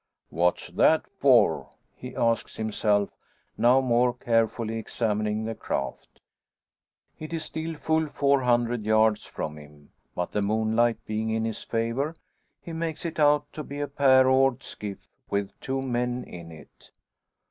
"What's that for?" he asks himself, now more carefully examining the craft. It is still full four hundred yards from him, but the moonlight being in his favour he makes it out to be a pair oared skiff with two men in it.